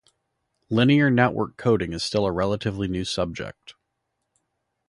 Linear network coding is still a relatively new subject.